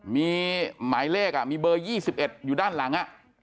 มีหมายเลขมีเบอร์๒๑อยู่ด้านหลัง